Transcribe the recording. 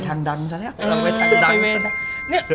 ค่อนข้างเขาเป็นทางดัน